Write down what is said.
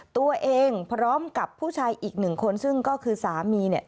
พร้อมกับผู้ชายอีกหนึ่งคนซึ่งก็คือสามีเนี่ย